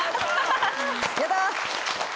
やった。